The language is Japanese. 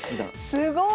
すごい！